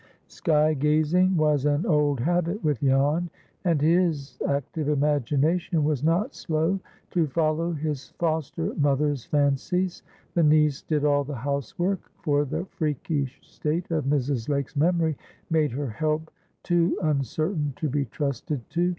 Sky gazing was an old habit with Jan, and his active imagination was not slow to follow his foster mother's fancies. The niece did all the house work, for the freakish state of Mrs. Lake's memory made her help too uncertain to be trusted to.